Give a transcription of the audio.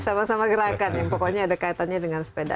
sama sama gerakan yang pokoknya ada kaitannya dengan sepeda